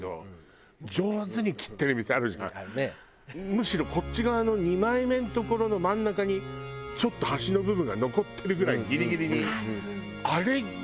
むしろこっち側の２枚目のところの真ん中にちょっと端の部分が残ってるぐらいギリギリにあれ好き？